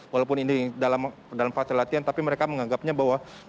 walaupun ini dalam fase latihan tapi mereka menganggapnya bahwa